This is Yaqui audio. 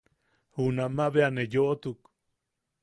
Junama bea ne yoʼotuk.